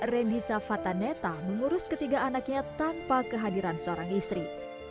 rendy savataneta mengurus ketiga anaknya tanpa kehadiran seorang istri